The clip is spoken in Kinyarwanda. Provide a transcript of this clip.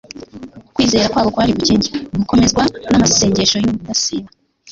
Kwizera kwabo kwari gukencye gukomezwa n'amasengesho y'ubudasiba,